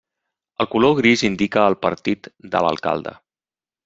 El color gris indica el partit de l'alcalde.